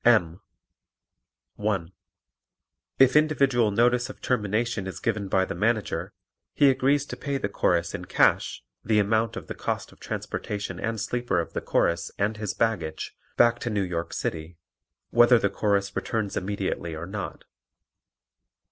M. (1) If individual notice of termination is given by the Manager, he agrees to pay the Chorus in cash the amount of the cost of transportation and sleeper of the Chorus and his baggage back to New York City, whether the Chorus returns immediately or not.